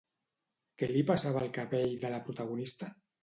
Què li passava al cabell de la protagonista?